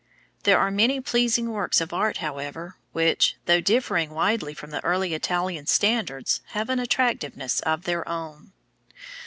There are many pleasing works of art, however, which, though differing widely from early Italian standards, have an attractiveness of their own.